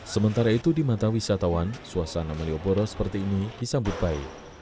sementara itu di mata wisatawan suasana malioboro seperti ini disambut baik